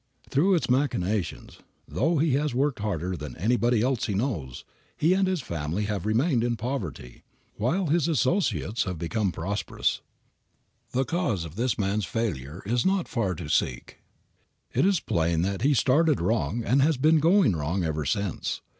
Through its machinations, although he has worked harder than anybody else he knows, he and his family have remained in poverty, while his associates have become prosperous. The cause of this man's failure is not far to seek. It is plain that he started wrong and has been going wrong ever since.